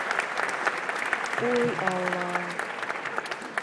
Уй, Алла!